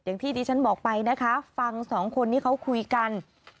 อย่างที่ดิฉันบอกไปนะคะฟังสองคนที่เขาคุยกัน